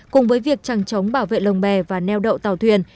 cùng với việc trằng trống bảo vệ lông bè và neo đậu tàu thuyền